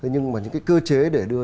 nhưng mà những cái cơ chế để đưa